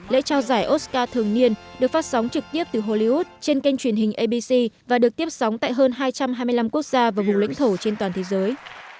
lễ trao giải oscar thường niên được phát sóng trực tiếp từ hollywood trên kênh truyền hình abc và được tiếp sóng tại hơn hai trăm hai mươi năm quốc gia và vùng lãnh thổ trên toàn thế giới